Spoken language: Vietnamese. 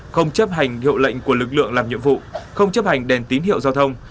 không chấp hành hiệu lệnh của lực lượng làm nhiệm vụ không chấp hành đèn tín hiệu giao thông